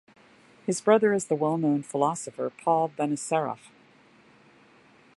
His brother is the well-known philosopher Paul Benacerraf.